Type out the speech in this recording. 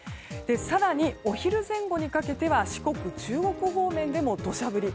更に、お昼前後にかけて四国、中国方面でも土砂降り。